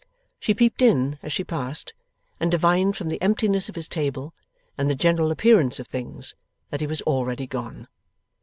She peeped in as she passed, and divined from the emptiness of his table, and the general appearance of things, that he was already gone.